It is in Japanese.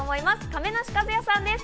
亀梨和也さんです。